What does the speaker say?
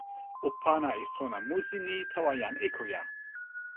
o pana e sona musi ni tawa jan Ekoja.